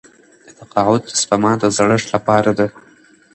د تقاعد سپما د زړښت لپاره ده.